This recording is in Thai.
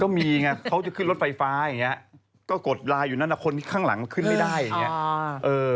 ไงเขาจะขึ้นรถไฟฟ้าอย่างนี้ก็กดไลน์อยู่นั่นคนที่ข้างหลังขึ้นไม่ได้อย่างเงี้ย